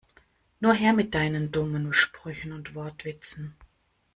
Nur her mit deinen dummen Sprüchen und Wortwitzen!